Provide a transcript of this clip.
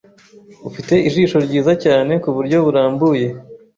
Ufite ijisho ryiza cyane kuburyo burambuye.